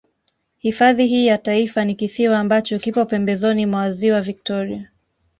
Hifadhi hii ya Taifa ni kisiwa ambacho kipo pembezoni mwa Ziwa Victoria